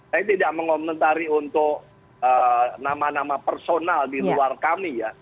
saya tidak mengomentari untuk nama nama personal di luar kami ya